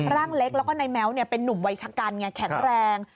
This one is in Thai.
ร่างเล็กแล้วก็นายแม้วเป็นนุ่มวัยชะกันไงแข็งแรง